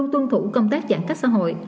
tuân thủ công tác giãn cách xã hội